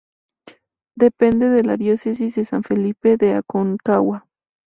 Depende de la Diócesis de San Felipe de Aconcagua.